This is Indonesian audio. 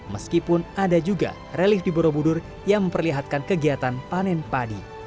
meskipun ada juga relief di borobudur yang memperlihatkan kegiatan panen padi